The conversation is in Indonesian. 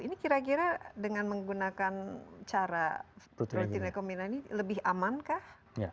ini kira kira dengan menggunakan cara protein recombinant ini lebih aman kah